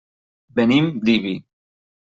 Venim d'Ibi.